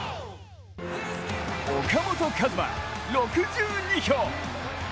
岡本和真、６２票。